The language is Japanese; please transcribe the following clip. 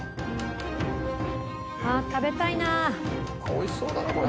美味しそうだなこれ。